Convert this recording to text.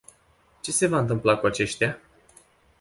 Ce se va întâmpla cu aceștia?